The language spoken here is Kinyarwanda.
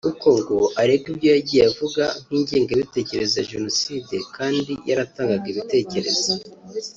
kuko ngo aregwa ibyo yagiye avuga nk’ingengabitekerezo ya Jenoside kandi yaratanganga ibitekerezo